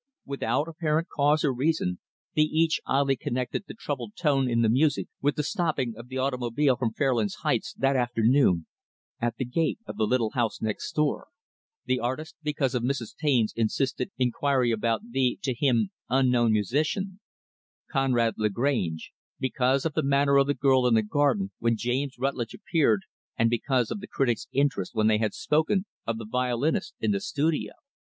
Without apparent cause or reason, they each oddly connected the troubled tone in the music with the stopping of the automobile from Fairlands Heights, that afternoon, at the gate of the little house next door the artist, because of Mrs. Taine's insistent inquiry about the, to him, unknown musician; Conrad Lagrange, because of the manner of the girl in the garden when James Rutlidge appeared and because of the critic's interest when they had spoken of the violinist in the studio.